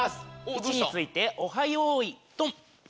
いちについて「オハ！よいどん」。